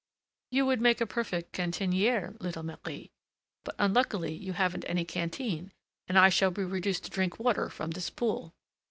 "You would make a perfect cantinière, little Marie; but unluckily you haven't any canteen, and I shall be reduced to drink water from this pool."